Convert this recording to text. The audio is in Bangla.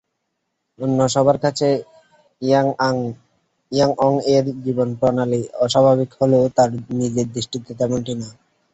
অন্য সবার কাছে ইয়েঅং-এর জীবনপ্রণালি অস্বাভাবিক হলেও তার নিজের দৃষ্টিতে তেমনটি না।